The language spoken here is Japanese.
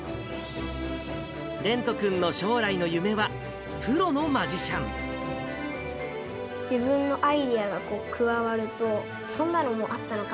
蓮人君の将来の夢は、プロの自分のアイデアが加わると、そんなのもあったのか？